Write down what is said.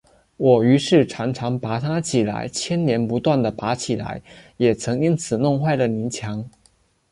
我于是常常拔它起来，牵连不断地拔起来，也曾因此弄坏了泥墙